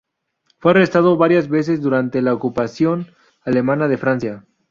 Fue arrestado varias veces durante la ocupación alemana de Francia.